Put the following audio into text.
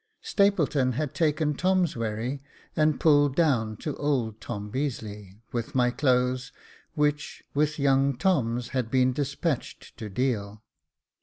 Stapleton had taken Tom's wherry and pulled down to old Tom Beazeley, with my clothes, which, with young Tom's, had been despatched to Deal.